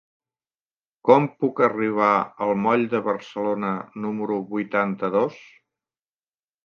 Com puc arribar al moll de Barcelona número vuitanta-dos?